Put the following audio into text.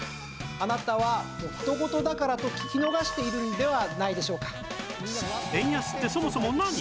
あなたはもう人ごとだからと聞き逃しているのではないでしょうか？